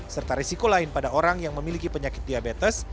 serta risiko lain pada orang yang memiliki penyakit diabetes